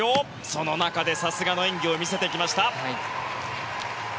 その中でさすがの演技を見せてきました。